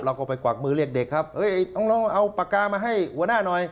เราก็ไปกวักมือเรียกเด็กครับเอาปากกามาให้หัวหน้าหน่อย